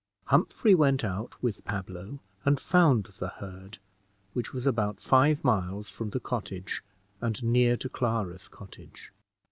Humphrey went out with Pablo, and found the herd, which was about five miles from the cottage, and near to Clara's cottage.